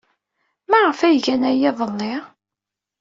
Maɣef ay gant aya iḍelli?